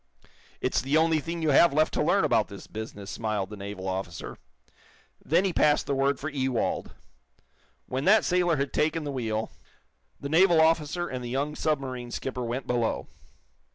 "It's the only thing you have left to learn about this business," smiled the naval officer. Then he passed the word for Ewald. When that it sailor had taken the wheel, the naval officer and the young submarine skipper went below.